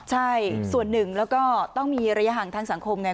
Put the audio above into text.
ใช่ส่วนหนึ่งแล้วก็ต้องมีระยะห่างทางสังคมไง